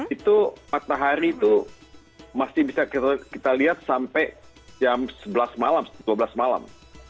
itu matahari itu masih bisa kita lihat sampai jam sebelas malam dua belas malam